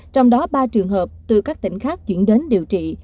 trong đó ba trường hợp từ các tỉnh khác chuyển đến điều trị